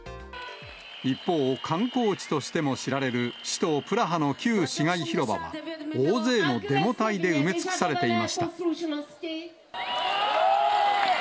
一方、観光地としても知られる首都プラハの旧市街広場は、大勢のデモ隊で埋め尽くされていました。